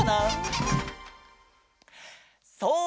そう！